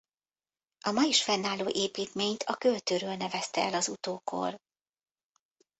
A ma is fennálló építményt a költőről nevezte el az utókor.